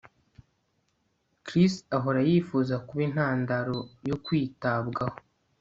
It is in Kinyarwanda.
Chris ahora yifuza kuba intandaro yo kwitabwaho